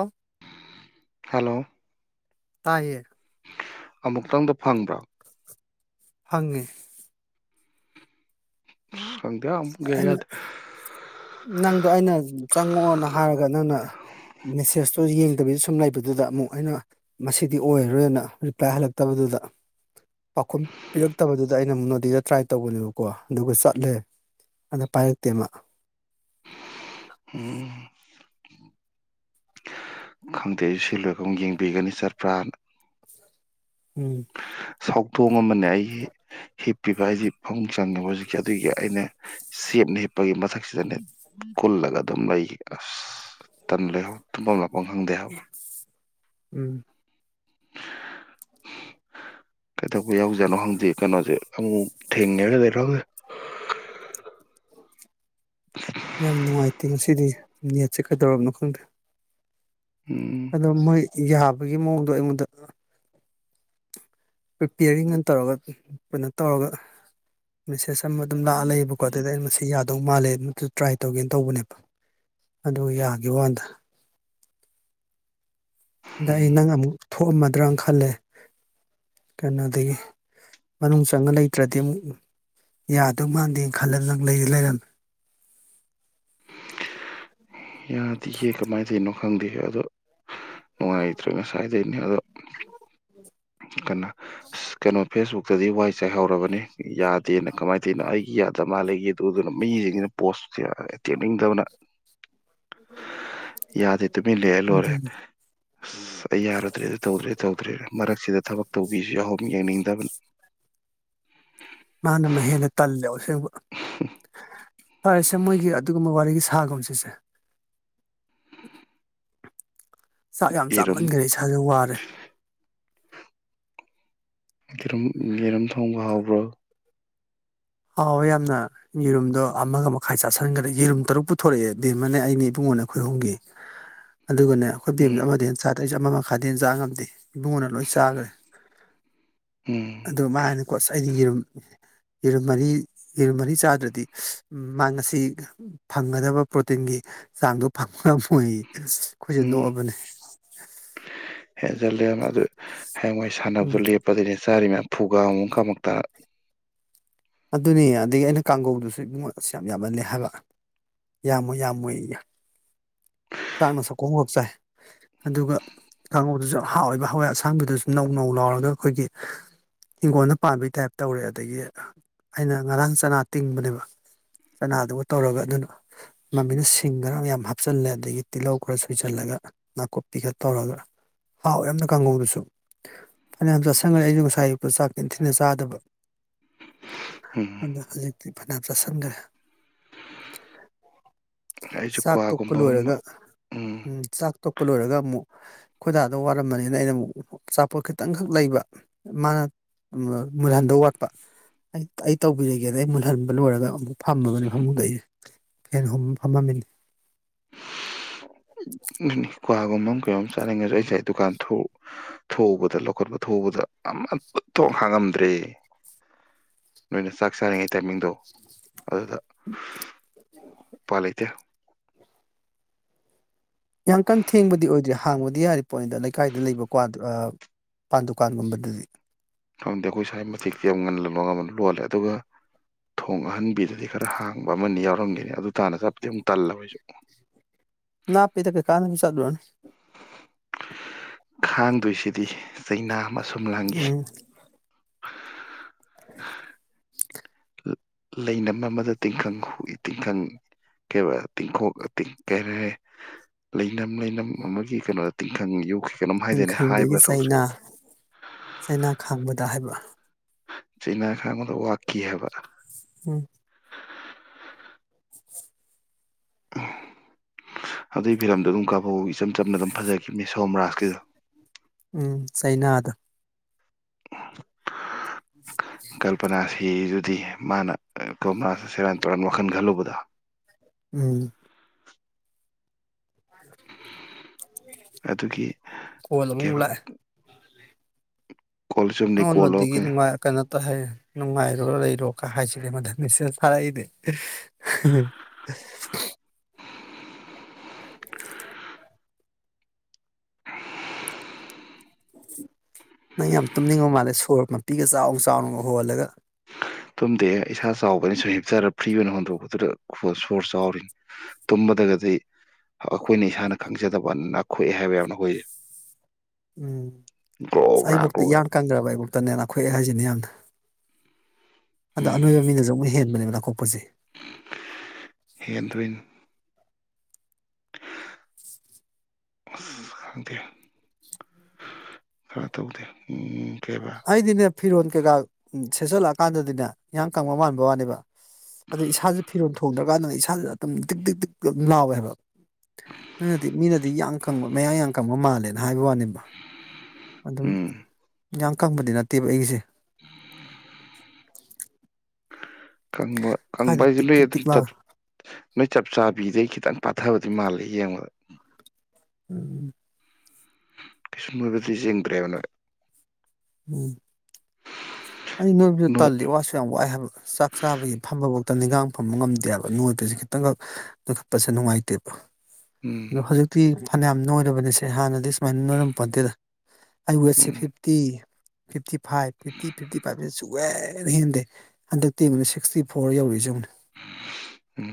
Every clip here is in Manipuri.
ꯑꯣ ꯍꯜꯂꯣ ꯇꯥꯏꯌꯦ ꯑꯃꯨꯛꯇꯪꯗ ꯐꯪꯕ꯭ꯔꯣ ꯐꯪꯉꯦ [unintelligible] ꯌꯥꯏ ꯑꯩꯅ ꯌꯥꯗꯦ ꯅꯪꯗꯣ ꯑꯩꯅ ꯆꯪꯉꯛꯑꯣꯅ ꯍꯥꯏꯔꯒ ꯅꯪꯅ ꯃꯦꯁꯦꯁ ꯁ ꯌꯦꯡꯗꯕꯤꯗ ꯁꯨꯝ ꯂꯩꯕꯗꯨꯗ ꯑꯃꯨꯛ ꯑꯩꯅ ꯃꯁꯤꯗꯤ ꯑꯣꯏꯔꯔꯣꯏꯅ ꯔꯤꯄ꯭ꯂꯥꯏ ꯍꯜꯂꯛꯇꯕꯗꯨꯗ ꯄꯥꯎꯈꯨꯝ ꯄꯤꯔꯛꯇꯕꯗꯨꯗ ꯑꯩꯅ ꯑꯃꯨꯛ ꯅꯣꯗꯤꯗ ꯇ꯭ꯔꯥꯏ ꯇꯧꯕꯅꯦꯕꯀꯣ ꯑꯗꯨꯒ ꯆꯠꯂꯦ ꯑꯗ ꯄꯥꯏꯔꯛꯇꯦ ꯃꯥ [unintelligible] ꯈꯪꯗꯦ ꯑꯩꯪ ꯁꯤ ꯂꯣꯏꯔꯒ ꯌꯦꯡꯕꯤꯒꯅꯤ ꯆꯠꯄ꯭ꯔꯥꯅ ꯎꯝ ꯁꯥꯎꯗꯣꯛ ꯄꯨꯡ ꯑꯃꯅꯦ ꯑꯩꯒꯤ ꯍꯤꯞ ꯄꯤꯕ ꯍꯥꯏꯁꯤ ꯐꯃꯨꯡ ꯆꯪꯉꯦꯕ ꯍꯧꯖꯤꯛꯀꯤ ꯑꯗꯨꯒꯤ ꯑꯩꯅ ꯆꯦꯞꯅ ꯍꯤꯞꯄꯒꯤ ꯃꯊꯛꯁꯤꯗꯅꯦ ꯀꯨꯜꯂꯒ ꯑꯗꯨꯝ ꯂꯩꯈꯤ ꯑꯁ ꯇꯝ ꯂꯩꯍꯧ ꯇꯨꯝꯐꯝ ꯂꯥꯛꯐꯝ ꯈꯪꯗꯦꯍꯥꯏꯕ ꯎꯝ ꯀꯩꯗꯧꯕ ꯌꯥꯎꯖꯥꯠꯅꯣ ꯍꯪꯗꯦ ꯀꯩꯅꯣꯁꯦ ꯑꯃꯨꯛ ꯊꯦꯡꯅꯔ ꯂꯩꯔꯒ ꯌꯥꯝ ꯅꯨꯡꯉꯥꯏꯇꯦ ꯉꯁꯤꯗꯤ ꯅꯦꯠꯁꯦ ꯀꯩꯗꯧꯔꯕꯅꯣ ꯈꯪꯗꯦ ꯎꯝ ꯑꯗꯣ ꯃꯣꯏ ꯌꯥꯕꯒꯤ ꯃꯑꯣꯡꯗꯣ ꯑꯩꯉꯣꯟꯗ ꯄ꯭ꯔꯤꯄꯦꯌꯥꯔꯤꯡꯒ ꯇꯧꯔꯒ ꯀꯩꯅꯣ ꯇꯧꯔꯒ ꯃꯦꯁꯦꯖ ꯑꯃ ꯑꯗꯨꯝ ꯂꯥꯛꯑ ꯂꯩꯌꯦꯕꯀꯣ ꯑꯗꯨꯗ ꯑꯩꯩꯅ ꯃꯁꯤ ꯌꯥꯗꯦ ꯑꯗꯨꯗꯧ ꯃꯥꯜꯂꯦ ꯇ꯭ꯔꯥꯏ ꯇꯧꯒꯦꯅ ꯇꯧꯕꯅꯦꯕ ꯑꯗꯨ ꯌꯥꯒꯤ ꯋꯥꯅꯤꯗ ꯗ ꯎꯝ ꯅꯪꯉ ꯑꯃꯨꯛ ꯊꯣꯛꯑꯝꯃꯗ꯭ꯔꯅ ꯈꯜꯂꯦ ꯀꯩꯅꯣꯗꯒꯤ ꯃꯅꯨꯡ ꯆꯪꯉ ꯂꯩꯇ꯭ꯔꯗꯤ ꯑꯃꯨꯛ ꯌꯥꯗꯧ ꯃꯥꯟꯗꯦ ꯈꯜꯂ ꯅꯪ ꯂꯩꯔꯝꯃꯦ ꯌꯥꯗꯦꯌꯦ ꯀꯃꯥꯏꯅ ꯇꯧꯔꯤꯅꯣ ꯈꯪꯗꯦꯦ ꯑꯗꯣ ꯅꯨꯡꯉꯥꯏꯇ꯭ꯔꯦ ꯉꯁꯥꯏꯗꯩꯅꯦ ꯑꯗꯣ ꯀꯩꯅ ꯀꯩꯅꯣ ꯐꯦꯁꯕꯨꯛꯇꯗꯤ ꯋꯥꯏ ꯆꯥꯏꯍꯧꯔꯕꯅꯤ ꯌꯥꯗꯦꯅ ꯀꯃꯥꯏꯅ ꯇꯧꯅꯣ ꯑꯩꯒꯤ ꯌꯥꯗꯕ ꯃꯥꯜꯂꯤꯒꯦ ꯑꯗꯨꯗꯨꯅ ꯃꯤꯁꯤꯡꯁꯤꯅ ꯄꯣꯁ ꯌꯦꯡꯅꯤꯡꯗꯕꯅ ꯌꯥꯗꯦ ꯇꯨꯃꯤꯟ ꯂꯩꯔ ꯂꯣꯏꯔꯦ ꯑꯗꯨꯒꯤ ꯑꯁ ꯑꯩ ꯌꯥꯔꯨꯗ꯭ꯔꯦ ꯑꯗꯨ ꯇꯧꯗ꯭ꯔꯦ ꯇꯧ ꯇ꯭ꯔꯦ ꯃꯔꯛꯁꯤꯗ ꯊꯕꯛ ꯇꯧꯕꯤꯁꯤ ꯌꯥꯎꯔꯤ ꯌꯦꯡꯅꯤꯡꯗꯕꯅ ꯃꯥꯅ ꯃꯥ ꯍꯦꯟꯂꯦ ꯇꯜꯂꯦ ꯑꯁꯦꯡꯕ [unintelligible] ꯐꯔꯦꯁꯦ ꯃꯣꯏꯒꯤ ꯑꯗꯨꯒꯨꯝꯕ ꯋꯥꯔꯤꯗꯣ ꯁꯥꯒꯨꯝꯁꯤꯁꯦ ꯆꯥꯛ ꯌꯥꯝ ꯌꯦꯔꯨꯝ ꯆꯥꯃꯟꯈ꯭ꯔꯦ ꯏꯁꯥꯥꯁꯦ ꯋꯥꯔꯦ ꯌꯦꯔꯝ ꯊꯣꯡꯕ ꯍꯥꯎꯕ꯭ꯔꯣ ꯑꯥꯎ ꯌꯥꯝꯅ ꯌꯦꯔꯨꯝꯗꯣ ꯑꯃꯒ ꯃꯈꯥꯏ ꯆꯥꯁꯤꯟꯈ꯭ꯔꯦ ꯌꯦꯔꯨꯝ ꯇꯔꯨꯛ ꯄꯨꯊꯣꯔꯛꯑꯦ ꯗꯤꯦꯝꯃꯅꯦ ꯑꯩꯅ ꯏꯕꯨꯡꯉ ꯑꯩꯈꯣꯏ ꯑꯍꯨꯝꯒꯤ ꯑꯗꯨꯒꯅ ꯑꯩꯈꯣꯏ ꯎꯝ ꯕꯦꯝꯗ ꯑꯃꯗ ꯍꯦꯟꯅ ꯆꯥꯦ ꯑꯇꯩꯁꯨ ꯑꯃ ꯃꯈꯥꯗ ꯆꯥ ꯉꯝꯗꯦ ꯏꯕꯨꯡꯉꯅ ꯂꯣꯏ ꯆꯥꯈ꯭ꯔꯦ ꯎꯝ ꯑꯗꯨ ꯃꯥꯅꯀꯣꯁ ꯑꯩꯗꯤ ꯌꯦꯔꯨꯝ ꯏꯔꯝ ꯃꯔꯤ ꯌꯦꯔꯨ ꯃꯔꯤ ꯆꯥꯗ꯭ꯔꯗꯤ ꯃꯥ ꯉꯁꯤ ꯐꯪꯒꯗꯕ ꯄ꯭ꯔꯣꯇꯤꯟꯒꯤ ꯆꯥꯡꯗꯣ ꯐꯪꯕ ꯉꯝ ꯑꯣꯏꯌꯦ ꯑꯩꯈꯣꯏꯁꯦ ꯎꯝ ꯅꯣꯛꯑꯕꯅꯦ ꯍꯦꯟ ꯆꯜꯂꯦ ꯑꯗꯨ ꯍꯌꯦꯡ ꯃꯣꯏ ꯎꯝ ꯁꯥꯟꯅꯕꯗꯨꯣ ꯂꯦꯞꯄꯗꯅꯦ ꯆꯥꯔꯤ ꯃꯌꯥꯝ ꯐꯨꯒꯥ ꯑꯃꯨ ꯀꯃꯨꯛꯇ ꯑꯗꯨꯅꯦ ꯑꯗꯒꯤ ꯑꯩꯅ ꯀꯥꯡꯒꯧꯗꯨꯁꯨ ꯏꯃꯨꯡꯉ ꯑꯁ ꯌꯥꯝ ꯌꯥꯝꯍꯜꯂꯦ ꯍꯥꯏꯕ ꯌꯥꯝꯃꯣꯏ ꯌꯥꯝꯃꯣꯏ ꯆꯥꯛꯅ ꯁꯛꯀꯣꯡꯒꯞ ꯆꯥꯏ ꯑꯗꯨꯒ ꯀꯥꯡꯉꯧꯗꯨꯁꯨ ꯍꯥꯎꯏꯕ ꯍꯋꯥꯏ ꯑꯁꯥꯡꯕꯤꯗꯨꯁꯨ ꯅꯧ ꯅꯧ ꯂꯥꯎꯔꯒ ꯑꯩꯈꯣꯏꯒꯤ ꯏꯤꯡꯈꯣꯜꯗ ꯄꯥꯟꯕꯩ ꯇꯥꯏꯞ ꯇꯧꯔꯦ ꯑꯗꯒꯤ ꯑꯩꯅ ꯉꯔꯥꯡ ꯆꯅꯥ ꯇꯤꯡꯕꯅꯦꯕ ꯆꯅꯥꯗꯨꯒ ꯇꯧꯔꯒ ꯑꯗꯨꯅ ꯃꯃꯤꯅ ꯁꯤꯡꯒꯔꯒ ꯌꯥꯝ ꯍꯥꯞꯆꯜꯂꯦ ꯑꯗꯒꯤ ꯇꯤꯜꯍꯧ ꯈꯔ ꯁꯣꯏꯖꯜꯂꯒ ꯅꯥꯀꯨꯞ ꯄꯤꯈꯠ ꯇꯧꯔꯒ ꯍꯥꯎ ꯌꯥꯝꯅ ꯀꯥꯡꯍꯨꯗꯨꯁꯨ ꯐꯅꯌꯥꯝ ꯆꯥꯁꯤꯟꯈ꯭ꯔꯦ ꯑꯩꯁꯨ ꯉꯁꯥꯏ ꯑꯌꯨꯛꯇ ꯆꯥꯛ ꯏꯤꯟꯊꯤꯅ ꯆꯥꯗꯕ ꯎꯝ ꯑꯗ ꯍꯧꯖꯤꯛꯇꯤ ꯐꯅꯌꯥꯝ ꯆꯥꯁꯤꯟꯈ꯭ꯔꯦ ꯑꯩꯁꯨ ꯀ꯭ꯋꯥꯒꯨꯝꯕ ꯑꯃ ꯎꯝ ꯆꯠ ꯊꯥꯛꯇꯣꯛꯄ ꯂꯣꯏꯔꯒ ꯑꯃꯨꯛ ꯈꯣꯏꯗꯥꯗ ꯋꯥꯠꯔꯝꯝꯕꯅꯤꯅ ꯑꯩꯅ ꯑꯃꯨꯛ ꯑꯆꯥꯄꯣꯠ ꯈꯤꯇꯪꯈꯛ ꯂꯩꯕ ꯃꯥꯅ ꯃꯨꯜꯍꯟꯗꯧ ꯋꯥꯠꯄ ꯑꯩ ꯑꯩ ꯇꯧꯕꯤꯔꯒꯦꯗ ꯑꯩ ꯃꯨꯜꯍꯟꯕ ꯂꯣꯏꯔꯒ ꯑꯃꯨꯛ ꯐꯝꯃꯕꯅꯤ ꯐꯃꯨꯡꯗ ꯑꯩꯁ ꯐꯦꯟ ꯍꯨꯝ ꯐꯝꯃꯝꯃꯤꯅꯤ [unintelligible] ꯀ꯭ꯋꯥꯒꯨꯝꯕ ꯑꯃ ꯀꯩꯅꯣꯝ ꯆꯥꯅꯤꯡꯉꯁꯨ ꯑꯩꯁꯦ ꯑꯩ ꯗꯨꯀꯥꯟ ꯊꯎꯧꯕꯗ ꯂꯧꯈꯠꯄ ꯊꯧꯕꯗ ꯑꯃ ꯊꯣꯛꯣꯡ ꯍꯥꯡꯉꯝꯗ꯭ꯔꯦ ꯅꯣꯏꯅ ꯆꯥꯛ ꯆꯥꯅꯤꯡꯉꯩ ꯇꯥꯏꯃꯤꯡꯗꯣ ꯑꯗꯨꯗ ꯎꯄꯥꯥ ꯂꯩꯇꯦ ꯌꯥꯝ ꯀꯟ ꯊꯦꯡꯕꯗꯤ ꯑꯣꯏꯗ꯭ꯔꯤ ꯍꯥꯡꯕꯗꯤ ꯌꯥꯔꯦ ꯄꯣꯠꯅꯤꯗ ꯂꯩꯀꯥꯏꯗ ꯂꯩꯕꯀ꯭ꯋꯥ ꯄꯥꯟ ꯗꯨꯀꯥꯟꯒꯨꯝꯕꯗꯗꯤ ꯈꯪꯗꯦ ꯑꯩꯈꯣꯏ ꯁꯥꯏ ꯃꯇꯊꯤꯛꯇꯤ ꯌꯥꯝ ꯉꯜꯍꯕ ꯉꯝꯕꯅꯨ ꯂꯣꯜꯂꯦ ꯑꯗꯨꯒ ꯊꯣꯡ ꯑꯍꯟꯕꯤꯗꯨꯗꯤ ꯈꯔ ꯍꯥꯡꯕ ꯑꯃꯅꯤ ꯌꯥꯎꯔꯝꯒꯅꯤ ꯑꯗꯨ ꯇꯥꯅ ꯆꯄꯗꯤꯦ ꯑꯃꯨꯛ ꯇꯜꯂꯦ ꯑꯩꯣꯏꯁꯨ ꯅꯅꯥ ꯄꯤꯗ ꯀꯩ ꯀꯥꯅ ꯆꯗꯅꯤ ꯈꯥꯡꯗꯣꯏꯁꯤꯗꯤ ꯆꯩꯅꯥ ꯑꯨꯝ ꯂꯥꯡꯈꯤ ꯎꯝ ꯂꯩꯅꯝ ꯑꯃꯗ ꯇꯤꯡꯈꯪꯏ ꯇꯤꯡꯈꯪ ꯀꯩ ꯇꯤꯡꯈꯣꯛ ꯀꯩꯔꯦ ꯂꯩꯅꯝ ꯂꯩꯅꯝ ꯑꯃꯒꯤ ꯀꯩꯅꯣꯗ ꯇꯤꯡꯈꯪ ꯌꯣꯛꯈꯤ ꯅꯤꯡꯈꯪꯗꯨꯒꯤ ꯆꯩꯅꯥ ꯆꯩꯅꯥ ꯈꯥꯡꯕꯗ ꯍꯥꯏꯕ ꯆꯅ ꯈꯥ ꯃꯗ ꯋꯥꯀꯤ ꯍꯥꯏꯕ ꯎꯝ ꯑꯗꯨꯏ ꯐꯤꯂꯝꯗꯣ ꯑꯗꯨꯝ ꯀꯥꯕꯣꯛ ꯏꯆꯝ ꯆꯝꯅ ꯑꯗꯨꯝ ꯐꯖꯈꯤꯕꯅꯦ ꯁꯣꯝ ꯔꯥꯁꯀꯤꯗꯣ ꯎꯝ ꯆꯩꯅꯥꯗ ꯎꯝ ꯐꯤ ꯑꯗꯨꯗꯤ ꯃꯥꯅ ꯀꯣꯔꯣꯅꯥ ꯁꯦꯔꯥꯟ ꯇꯨꯔꯥꯟ ꯋꯥꯈꯜ ꯈꯜꯂꯨꯕꯗ ꯎꯝ ꯑꯗꯨꯒꯤ ꯀꯣꯜ ꯑꯃꯨꯛ ꯀꯦꯕ ꯂꯥꯛꯑꯦ ꯀꯜꯁꯗꯤ ꯀꯣꯋꯥ ꯅꯉꯣꯟꯗꯒꯤ ꯂꯀꯦ ꯅꯨꯡꯉꯥꯏ ꯀꯩꯅꯣ ꯍꯥꯏ ꯅꯨꯡꯉꯥꯏꯔꯣ ꯂꯩꯔꯣꯒ ꯍꯥꯏꯁꯤꯔꯦ ꯃꯗꯁꯦ ꯁꯥꯔꯛꯏꯅꯦ [unintelligible] ꯅꯪ ꯌꯥꯝ ꯇꯨꯝꯅꯤꯡꯕ ꯃꯥꯜꯂꯦ ꯁꯣꯔ ꯃꯄꯤꯒ ꯆꯥꯎꯅ ꯆꯥꯎꯅꯒ ꯍꯣꯜꯂꯒ ꯇꯨꯝꯗꯦ ꯏꯁꯥ ꯆꯥꯎꯕꯅꯤ ꯁꯨꯝ ꯍꯤꯞꯆꯔ ꯐ꯭ꯔꯤ ꯑꯣꯏꯅ ꯍꯣꯟꯗꯣꯔꯛꯄꯗꯨꯗ ꯁꯣꯔ ꯆꯥꯎꯔꯤꯅꯤ ꯇꯨꯝꯕꯗꯒꯁꯤ ꯑꯩꯈꯣꯏꯅ ꯏꯁꯥꯅ ꯈꯪꯖꯗꯕ ꯅꯥꯈꯣꯛꯑꯦ ꯍꯥꯏꯕ ꯌꯥꯝꯅ ꯑꯈꫭꯏ ꯎꯝ ꯑꯁ ꯑꯩꯕꫭꯛꯇ ꯒ꯭ꯔꯣꯛꯒ ꯏꯌꯥꯡ ꯀꯪꯈ꯭ꯔꯕ ꯑꯩꯕꫭꯛꯇꯅꯦ ꯅꯈꫭꯛꯑꯦ ꯍꯥꯏꯁꯤꯅꯦ ꯌꯥꯝꯅ ꯑꯗꯣ ꯑꯅꯣꯏꯕ ꯃꯤꯅꯁꯨ ꯑꯃꯨꯛ ꯍꯦꯟꯕꯅꯦ ꯍꯦꯟ ꯗꫭꯏꯅꯤ ꯑ ꯈꯪꯗꯦ ꯈꯔ ꯇꯧꯗꯦ ꯎꯝ ꯀꯩꯕ ꯑꯩꯗꯤꯅꯦ ꯐꯤꯔꫭꯜ ꯀꯩꯀ ꯎꯝ ꯁꯦꯠꯆꯜꯂꯛꯑꯀꯥꯟꯗꯗꯤꯅꯦ ꯏꯌꯥꯡ ꯀꯪꯕ ꯃꯥꯟꯕ ꯋꯥꯅꯦꯕ ꯑꯗ ꯏꯁꯥꯥꯁꯦ ꯐꯤꯔꯣꯜ ꯊꯣꯡꯗ ꯑꯗꯨꯀꯥꯟꯗꯪ ꯏꯁꯥꯅ ꯑꯗꯨꯝ ꯇꯤꯛ ꯇꯤꯛ ꯇꯤꯛ ꯑꯗꯨꯝ ꯂꯥꯎꯋꯦꯕ ꯅꯪꯅꯗꯤ ꯃꯤꯅꯗꯤ ꯌꯥꯝ ꯀꯪꯕ ꯃꯌꯥ ꯌꯥꯝ ꯀꯪꯕ ꯃꯥꯜꯂꯦꯅ ꯍꯥꯏꯕ ꯋꯥꯅꯦꯕ ꯑꯗꯨꯝ ꯎꯝ ꯌꯥꯝ ꯀꯪꯕꯗꯤ ꯅꯠꯇꯦꯕ ꯑꯩꯒꯤꯁꯦ [unintelligible] [unintelligible] ꯀꯪꯕ ꯀꯪꯕ ꯀꯥꯏꯗꯩ ꯍꯥꯏꯁꯦ ꯇꯤꯛ ꯅꯣꯏ ꯇꯤꯛ ꯇꯤꯛ ꯑꯗꯨꯝ ꯂꯥꯎꯋꯦ ꯆꯠ ꯅꯣꯏ ꯆꯞ ꯆꯥꯕꯤꯗꯩ ꯈꯤꯇꯪ ꯄꯥꯊꯕꯗꯤ ꯃꯥꯜꯂꯦ ꯌꯦꯡꯕꯗ ꯎꯝ ꯀꯩꯁꯨꯝ ꯅꫭꯏꯕꯗꯤ ꯆꯤꯡꯗ꯭ꯔꯦꯕ ꯅꯣꯏ ꯎꯝ ꯑꯩ ꯅꯣꯏꯕꯁꯨ ꯅꯣꯏ ꯇꯜꯂꯤ ꯋꯥꯁꯨ ꯌꯥꯝ ꯋꯥꯏ ꯍꯥꯏꯕ ꯆꯥꯛ ꯆꯥꯕꯒꯤ ꯐꯝꯕ ꯅꯤꯈꯥꯡ ꯐꯝꯕ ꯉꯝꯗꯦꯕ ꯅꯣꯏꯕꯁꯦ ꯈꯤꯇꯪꯈꯛ ꯂꯣꯏꯈꯠꯄꯁꯦ ꯅꯨꯡꯉꯥꯏꯇꯦꯕ ꯎꯝ ꯍꯧꯖꯤꯛꯇꯤ ꯐꯅꯌꯥꯝ ꯅꯣꯏꯔꯕꯅꯤꯁꯦ ꯍꯥꯟꯅꯗꯤ ꯁꯨꯃꯥꯏꯅ ꯅꯣꯏꯔꯝꯕ ꯄꯣꯗꯦꯗ ꯑꯩꯥ ꯋꯦꯠꯁꯦ ꯎꯝ fifty fifty five fifty fifty ꯐꯥꯏꯚꯇꯩ ꯁꯨꯛꯍꯥꯦꯟ ꯍꯦꯟꯗꯦ ꯍꯟꯗꯛꯇꯤ ꯌꯦꯡꯉꯨꯅꯦ ꯁꯤꯛꯁꯇꯤ ꯐꯣꯔ ꯌꯧꯔꯤꯖꯦ ꯌꯦꯡꯉꯨ ꯎꯝ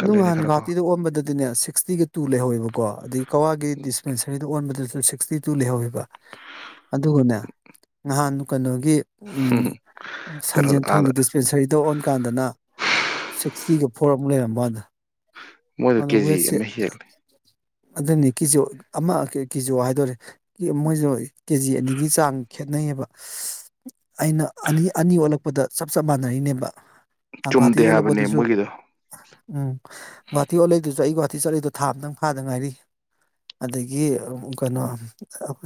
ꯑꯗꯨ ꯅꯍꯥꯟ ꯈꯔꯀꯣ ꯒꯍꯥꯇꯤꯗ ꯑꯣꯟꯕꯗꯗꯤꯅꯦ ꯁꯤ ꯁꯤꯛꯁꯇꯤꯒ ꯇꯨ ꯂꯩꯍꯧꯋꯦꯕꯀꯣ ꯑꯗꯗꯒꯤ ꯀꯋꯥꯒꯤ ꯗꯤꯁꯄꯦꯟꯁꯔꯤꯗ ꯑꯣꯟꯕꯗꯁꯨ ꯁꯤꯛꯁꯇꯤ ꯇꯨ ꯂꯩꯌꯧꯍꯦ ꯑꯗꯨꯒꯅꯦ ꯅꯍꯥꯟ ꯀꯩꯅꯣ ꯒꯤ ꯎꯝ ꯀꯩꯅꯣꯗ ꯁꯟꯖꯦꯟ ꯑꯥꯗ ꯊꫭꯡꯒꯤ ꯗꯤꯁꯄꯦꯟꯁꯔꯤꯗ ꯁꯤꯛꯁꯇꯤꯒ ꯐꫭ ꯐꯣꯔ ꯑꯃꯨꯛ ꯂꯩꯔꯝꯃꯦ [unintelligible] ꯃꯣꯏ ꯀꯦꯖꯤ ꯃ ꯍꯦꯜ ꯑꯗꯨꯅꯤ ꯀꯤꯖꯣ ꯑꯃ ꯀꯤꯖꯣ ꯍꯥꯏꯗꫭꯔꯦ ꯃꯣꯏꯁꯨ ꯀꯦꯖꯤ ꯑꯅꯤꯒꯤ ꯆꯥꯡ ꯈꯦꯠꯅꯩꯌꯦꯕ ꯑꯩꯅ ꯑꯅꯤ ꯑꯅꯤ ꯑꯣꯜꯂꯛꯄꯗ ꯆꯞ ꯆꯞ ꯃꯥꯟꯅꯔꯤꯅꯦꯕ ꯒꯨꯍꯥꯇꯤ ꯆꯨꯝꯗꯦ ꯍꯥꯏꯕꯅꯦ ꯑꯣꯜꯂꯛꯄꯗꯨꯁꯨ ꯃꯣꯏꯒꯤꯗꯣ ꯎꯝ ꯒꯨꯍꯥꯇꯤ ꯑꯣꯜꯂꯤꯗꯨꯁꯨ ꯑꯩ ꯒꯨꯍꯥꯇꯤ ꯆꯠꯂꯂꯤꯗꯨꯣ ꯊꯥ ꯑꯇꯪ ꯐꯥꯗ ꯉꯥꯏꯔꯤ ꯑꯗꯒꯤ ꯀꯩꯅꯣ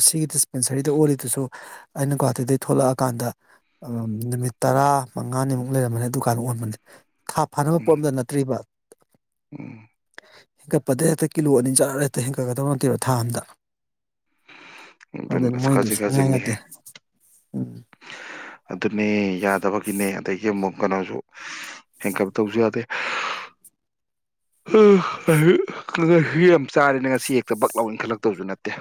ꯁꯤꯒꯤ ꯗꯤꯁꯄꯦꯟꯁꯔꯤꯗ ꯑꯣꯜꯂꯤꯗꯨꯁꯨ ꯑꯩꯅ ꯒꯨꯍꯥꯇꯤꯗꯒꯤꯩ ꯊꯣꯛꯂꯛꯑꯀꯥꯟꯗ ꯅꯨꯃꯤꯠ ꯇꯔꯥ ꯃꯉꯥꯅꯤꯃꯨꯛ ꯂꯩꯔꯝꯕꯅꯦ ꯗꯨꯀꯥꯟ ꯑꯣꯟꯕꯅꯦ ꯊꯥ ꯐꯥꯅꯕ ꯎꯝ ꯄꯣꯠ ꯑꯃꯗ ꯅꯠꯇ꯭ꯔꯤꯕ ꯎꯝ ꯍꯦꯟꯀꯠꯄꯗ ꯍꯦꯛꯇ ꯀꯤꯂꯣ ꯑꯅꯤ ꯆꯥꯔ ꯍꯦꯛꯇ ꯍꯦꯟꯀꯠꯀꯗꯕ ꯅꯠꯇꯦꯔꯣ ꯊꯥ ꯑꯝꯗ ꯑꯗꯨ ꯑꯗꯨꯅ ꯑꯁ ꯃꯣꯏꯗꯨ ꯈꯥꯖꯤꯛ ꯁꯨꯡꯌꯥ ꯈꯥꯖꯤꯛꯅꯤꯍꯦ ꯌꯥꯗꯦ ꯎꯝ ꯑꯗꯨꯅꯦ ꯌꯥꯗꯕꯒꯤꯅꯦ ꯑꯗꯒꯤ ꯑꯃꯨꯛ ꯀꯩꯅꯣꯁꯨ ꯍꯦꯟꯀꯞ ꯇꯧꯁꯨ ꯌꯥꯗꯦ ꯍ ꯌꯥꯝ ꯆꯥꯔꯦꯅ ꯉꯁꯤ ꯍꯦꯛꯇ ꯕꯛ ꯂꯥꯎꯏꯟ ꯈꯜꯂꯛꯇꯕꯁꯨ ꯅꯠꯇꯦ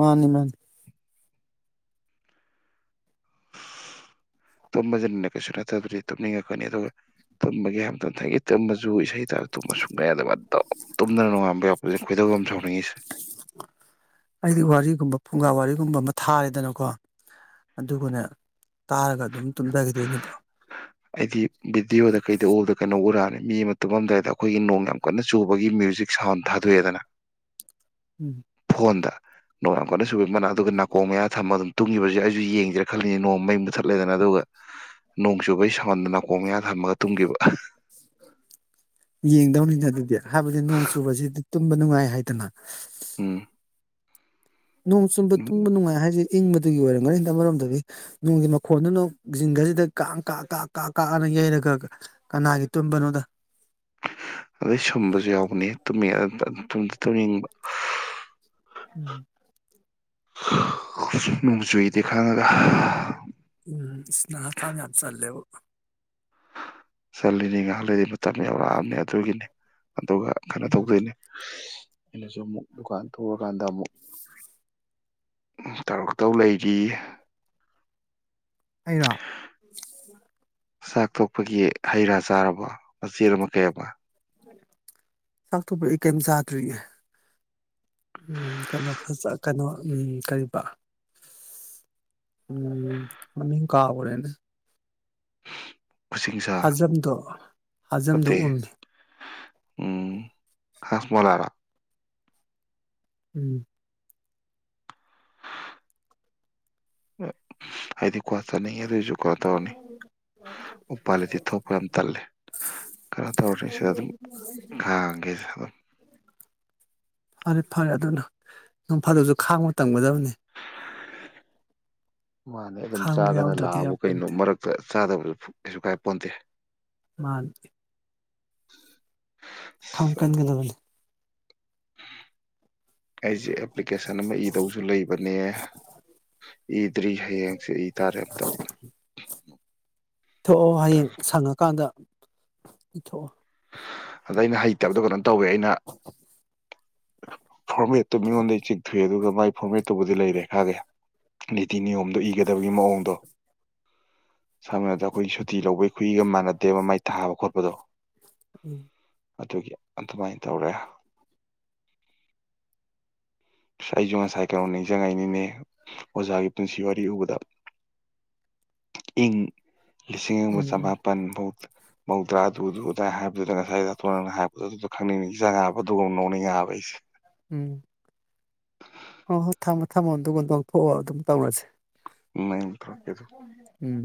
ꯃꯥꯅꯤ ꯃꯥꯅꯤ ꯇꯨꯝꯕꯁꯤꯅꯅꯦ ꯀꯩꯁꯨ ꯅꯠꯇꯕꯗꯤ ꯇꯨꯝꯅꯤꯡꯉꯛꯀꯅꯤ ꯑꯗꯨꯒ ꯇꯨꯝꯕꯒꯤ ꯍꯥꯏ ꯃꯇꯝꯊꯒꯤ ꯇꯨꯝꯕꯁꯨ ꯏꯁꯩ ꯇꯥꯕ ꯇꯨꯝꯕ ꯁꯨꯡꯉ ꯌꯥꯗꯕ ꯇꯨꯝꯗꯅ ꯅꯨꯡꯉꯥꯟꯕ ꯌꯥꯎꯄꯁꯦ ꯈꯣꯏꯗꯧ ꯑꯃ ꯁꯥꯎꯅꯤꯡꯉꯤꯁꯦ ꯑꯩꯗꯤ ꯋꯥꯔꯤꯒꯨꯝꯕ ꯐꯨꯡꯒꯥ ꯋꯥꯔꯤꯒꯨꯝꯕ ꯑꯃ ꯊꯥꯔꯦꯗꯅꯀꯣ ꯑꯗꯨꯒꯅꯦ ꯇꯥꯔꯒ ꯑꯗꯨꯝ ꯇꯨꯝꯖꯈꯤꯗꯣꯏꯅꯦꯕ ꯑꯩꯗꯤ ꯚꯤꯗꯤꯑꯣꯗ ꯀꯩꯗ ꯑꯣꯜꯗ ꯀꯩꯅꯣ ꯎꯔꯛꯑꯅꯤ ꯃꯤ ꯑꯃ ꯇꯨꯝꯃꯝꯗꯥꯏꯗ ꯑꯩꯈꯣꯏꯒꯤ ꯅꯣꯡ ꯌꯥꯝ ꯀꯟꯅ ꯆꯨꯕꯒꯤ ꯃ꯭ꯌꯨꯖꯤꯛ ꯁꯥꯎꯟ ꯊꯥꯗꯣꯛꯑꯦꯗꯅ ꯎꯝ ꯣꯟꯗ ꯅꯣꯡ ꯀꯅ ꯁꯨꯕꯒꯤ ꯃꯅꯥꯛ ꯑꯗꯨꯒ ꯅꯥꯀꯣꯡ ꯃꯌꯥ ꯊꯝꯃꯒ ꯑꯗꯨꯝ ꯇꯨꯡꯉꯤꯕꯁꯦ ꯑꯩꯁꯨ ꯌꯦꯡꯗꯦꯥ ꯈꯜꯂꯤ ꯅꯣꯡꯃꯩ ꯃꯨꯊꯠꯂꯦꯗꯅ ꯑꯗꯨꯒ ꯅꯣꯡ ꯆꯨꯕꯒꯤ ꯁꯣꯟꯗꯅ ꯈꯣꯡ ꯌꯥꯟ ꯊꯝꯃꯒ ꯇꯨꯝꯈꯤꯕ ꯌꯦꯡꯗꯧꯅꯤꯅ ꯑꯗꯨꯗꯤ ꯍꯥꯏꯕꯗꯤ ꯅꯣꯡ ꯆꯨꯕꯁꯤꯗꯤ ꯇꯨꯝꯕ ꯅꯨꯡꯉꯥꯏ ꯍꯥꯏꯗꯅ ꯎꯝ ꯅꯣꯡ ꯆꯨꯝꯕ ꯇꯨꯝꯕ ꯅꯨꯡꯉꯥꯏ ꯍꯥꯏꯖꯩ ꯏꯪꯕꯗꯨꯒꯤ ꯑꯣꯏꯔꯝꯒꯅꯤ ꯃꯔꯝꯗꯗꯤ ꯅꯣꯡꯒꯤ ꯃꯈꯣꯟꯗꯨꯅ ꯖꯤꯡꯟꯒꯁꯤꯗ ꯀꯥꯡ ꯀꯥ ꯀꯥ ꯀꯥ ꯀꯛꯑꯅ ꯌꯩꯔꯒ ꯀꯅꯥꯒꯤ ꯇꯨꯝꯕꯅꯣꯗ ꯑꯗꯩ ꯁꯨꯝꯕꯁꯨ ꯌꯥꯎꯕꯅꯤ ꯇꯨꯝꯃꯤ ꯇꯧ ꯌꯦꯅꯤꯡꯕ ꯎꯝ ꯁꯨꯨꯏꯗꯥꯒ ꯎꯝ ꯁꯅ ꯀꯥꯠꯇ ꯂꯩꯦꯕ ꯆꯂꯤꯅꯤ ꯉꯥꯏꯍꯥꯟ ꯂꯩꯗꯤ ꯃꯇꯝ ꯌꯎꯔꯛꯑꯕꯅꯦ ꯑꯗꯨꯒꯤꯅꯤ ꯑꯗꯨꯒ ꯀꯩꯅꯣ ꯎꯝ ꯇꯧꯗꯣꯏꯅꯤ ꯑꯩꯅꯁꯨ ꯑꯃꯨꯛ ꯗꯨꯀꯥꯟ ꯊꯣꯛꯔꯀꯥꯟꯗ ꯑꯃꯨꯛ ꯇꯧꯔꯛꯇꯧ ꯂꯩꯔꯤ ꯍꯥꯏꯔ ꯆꯥꯛ ꯊꯣꯛꯄꯒꯤ ꯍꯩ ꯔꯥ ꯆꯥꯔꯕ ꯃꯆꯦ ꯑꯃ ꯀꯩ ꯑꯃ ꯆꯥꯛꯊꯣꯛꯄ ꯑꯩ ꯀꯩꯝ ꯆꯥꯗ꯭ꯔꯤꯦ ꯎꯝ ꯀꯩꯅꯣ ꯀꯩꯅꯣ ꯎꯝ ꯀꯔꯤꯕ ꯎꯝ ꯃꯃꯤ ꯀꯥꯕꯣꯔꯅꯦ ꯈꯨꯁꯤꯡꯁꯥ ꯍꯥꯖꯝꯗꯣ ꯍꯖꯝꯗꯨꯣ ꯅꯠꯇꯦ ꯎꯝꯃꯤ ꯎꯝ ꯍꯥꯁꯃꯂꯥꯔꯥ ꯎꯝ ꯊ ꯎꯀ ꯆꯠꯅꯤꯡꯉꯤ ꯑꯗꯨꯑꯣꯏꯁꯨ ꯀꯩꯅꯣ ꯇꯧꯔꯅꯤ ꯎꯄꯥꯥꯂꯤꯇꯤ ꯊꯣꯛꯄ ꯌꯥꯝ ꯇꯜꯂꯦ ꯀꯩꯅꯣ ꯇꯧꯔꯅꯤ ꯁꯤꯗ ꯑꯗꯨꯝ ꯈꯥꯡꯒꯦꯁ ꯑꯗꯨꯝ ꯐꯔꯦ ꯐꯔꯦ ꯑꯗꯨꯅ ꯅꯣꯡ ꯐꯥꯗꯁꯨ ꯈꯥꯡꯕ ꯇꯝꯒꯗꯕꯅꯤ ꯃꯥꯅꯦ ꯑꯗꯨꯝ ꯈꯥꯡꯕ ꯆꯥꯗꯅ ꯌꯥꯎꯗ꯭ꯔꯗꯤ ꯂꯥꯛꯑꯕ ꯀꯩꯅꯣ ꯌꯥꯄꯣꯟꯇꯦ ꯃꯔꯛꯇ ꯆꯥꯗꯕꯁꯨ ꯀꯩꯁꯨ ꯀꯥꯏ ꯄꯣꯟꯗꯦ ꯃꯥ ꯈꯝ ꯑꯁ ꯀꯒꯗꯕꯦ ꯑꯩꯁꯦ ꯑꯦꯄ꯭ꯂꯤꯀꯦꯁꯟ ꯑꯃ ꯏꯗꯧꯁꯨ ꯂꯩꯕꯅꯦ ꯏꯗ꯭ꯔꯤ ꯍꯌꯦꯡꯁꯦ ꯏ ꯇꯥꯔꯦ ꯑꯝꯇ ꯊꯣꯛꯑꯣ ꯍꯌꯦꯡ ꯁꯪꯉꯀꯥꯟꯗ ꯏꯊꯣ ꯑꯗ ꯑꯩꯅ ꯍꯩꯇꯕꯗꯣ ꯀꯩꯅꯣ ꯇꯧꯏꯦ ꯑꯩꯅ ꯐꯣꯔꯃꯦꯠꯇꯨ ꯃꯤꯉꯣꯟꯗꯩ ꯆꯤꯡꯊꯣꯛꯏꯑꯦ ꯑꯗꯨꯒ ꯃꯒꯤ ꯐꯣꯔꯃꯦꯠꯇꯨꯕꯨꯗꯤ ꯂꯩꯔꯦ ꯈꯥꯒꯦ ꯅꯤꯤ ꯅꯤꯌꯣꯝꯗꯨ ꯏꯒ ꯌꯥꯗꯕꯒꯤ ꯃꯑꯣꯡꯗꯣ ꯁꯝꯅꯔꯕꯗ ꯑꯩꯈꯣꯏ ꯁꯨꯇꯤ ꯂꯧꯕꯩ ꯈꯨꯏꯒ ꯃꯥꯟꯅꯗꯦꯕ ꯃꯥꯏ ꯊꯥꯕ ꯈꯣꯠꯄꯗꯣ ꯎꯝ ꯑꯗꯨꯒꯤ ꯑꯗꯨꯃꯥꯏꯅ ꯇꯧꯔꯦ ꯑ ꯑꯩꯁꯨ ꯉꯁꯥꯏ ꯀꯩꯅꯣ ꯅꯤꯡꯁꯤꯡꯉꯩꯅꯤꯅꯦ ꯑꯣꯖꯥꯒꯤ ꯄꯨꯟꯁꯤ ꯋꯥꯔꯤ ꯎꯕꯗ ꯏꯪ ꯂꯤꯁꯤꯡ ꯎꯝ ꯑꯃꯒ ꯎꯝ ꯆꯃꯥꯄꯟ ꯨ ꯃꯧꯗ꯭ꯔꯥ ꯑꯗꯨꯗꯨꯗ ꯍꯥꯏꯗꯨꯗ ꯉꯁꯥꯏ ꯑꯇꯣꯟꯅ ꯍꯥꯏꯄꯗ ꯑꯗꯨꯗꯣ ꯈꯪꯅꯤꯡꯉꯖꯕ ꯑꯗꯨꯒ ꯅꯧꯅꯤꯡꯉꯑꯕ ꯑꯩꯁꯦ ꯎꯝ ꯍꯣꯏ ꯍꯣꯏ ꯊꯝꯃꯣ ꯊꯝꯃꯣ ꯑꯗꯨꯒꯗ ꯂ ꯂꯧꯊꯣꯛꯑꯑꯣ ꯑꯗꯨꯝ ꯇꯧꯔꯁꯦ ꯅꯪ ꯇꯧꯔꯛꯀꯦꯗꯣ ꯎꯝ